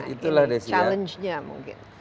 itu adalah tantangannya mungkin